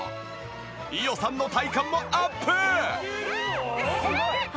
伊代さんの体幹もアップ！